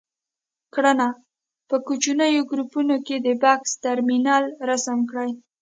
کړنه: په کوچنیو ګروپونو کې د بکس ترمینل رسم کړئ.